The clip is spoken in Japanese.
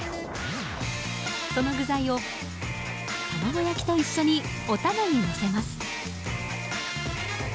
その具材を卵焼きと一緒にお玉にのせます。